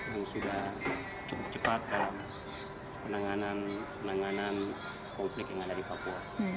yang sudah cukup cepat dalam penanganan konflik yang ada di papua